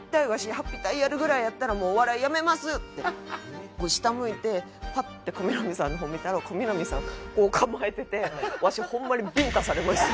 法被隊やるぐらいやったらお笑いやめます」って下向いてパッてコミナミさんの方見たらコミナミさんこう構えててわしホンマにビンタされました。